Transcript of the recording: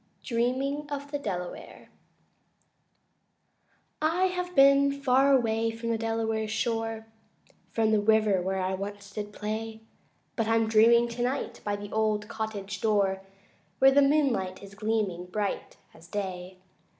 Dreaming of the Delaware I I have been far away from the Delaware's shore, From the river where once I did play, But I'm dreaming tonight by the old cottage door Where the moonlight is gleaming bright as day.